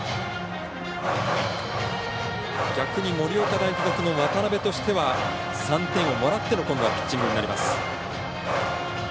逆に盛岡大付属の渡邊としては３点をもらってのピッチングになります。